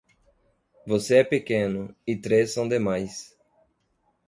Você é pequeno e três são demais.